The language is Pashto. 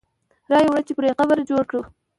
را یې وړه چې پرې قبر جوړ کړو.